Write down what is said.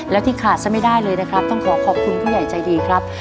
แล้วที่ขาดซะไม่ได้เลยนะครับต้องขอขอบคุณผู้ใหญ่ใจดีครับ